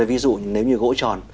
ví dụ nếu như gỗ tròn